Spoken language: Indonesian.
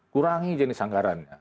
kurangi jenis anggarannya